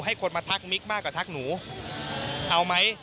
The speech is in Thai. เพียบสรุปว่ามั้ย